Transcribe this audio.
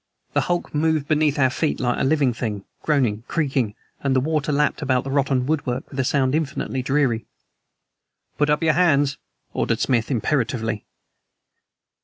The hulk moved beneath our feet like a living thing groaning, creaking and the water lapped about the rotten woodwork with a sound infinitely dreary. "Put up your hands!" ordered Smith imperatively.